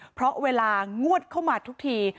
เพราะเวลางวดเข้ามาทุกที